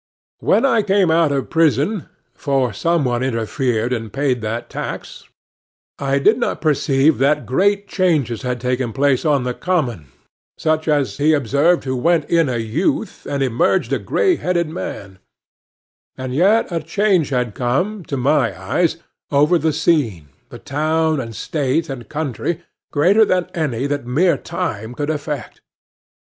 When I came out of prison,—for some one interfered, and paid the tax,—I did not perceive that great changes had taken place on the common, such as he observed who went in a youth, and emerged a gray headed man; and yet a change had to my eyes come over the scene,—the town, and State, and country,—greater than any that mere time could effect.